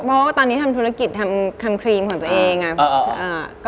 เพราะว่าตอนนี้ทำธุรกิจทำครีมของตัวเองไง